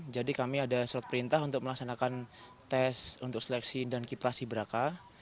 jadi kami ada surat perintah untuk melaksanakan tes untuk seleksi dan kipas siberaka